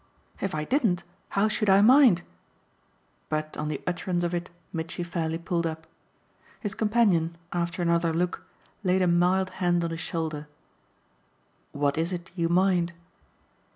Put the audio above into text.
"If I didn't how should I mind ?" But on the utterance of it Mitchy fairly pulled up. His companion, after another look, laid a mild hand on his shoulder. "What is it you mind?"